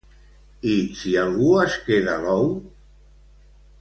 I si algú es queda l'ou?